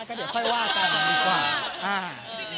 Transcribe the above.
ความสำคัญให้เห็นภายในสื่อตลอดเวลา